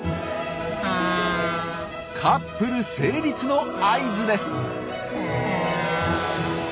カップル成立の合図です。